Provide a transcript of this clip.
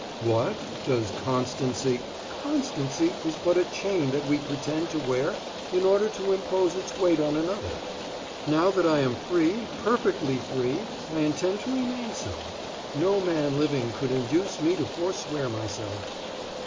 "What, does constancy ? "Constancy is but a chain that we pretend to wear in order to impose its weight on another. Now that I am free, perfectly free, I intend to remain so; no man living could induce me to forswear myself."